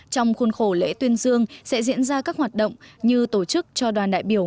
trong khuôn khổ lễ tuyên dương sẽ diễn ra các hoạt động như tổ chức cho đoàn đại biểu